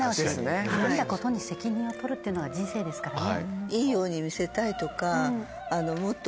いろんなことに責任を取るっていうのが人生ですからね。